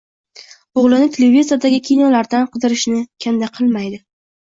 Oʻgʻlini televizordagi kinolardan qidirishni kanda qilmaydi